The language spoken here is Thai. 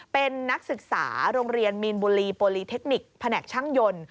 เป็นนักศึกษาโรงเรียนมีนบุรีโปรลีเทคนิคแผนกช่างยนต์